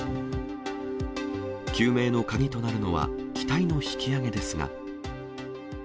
究明の鍵となるのは、機体の引き揚げですが。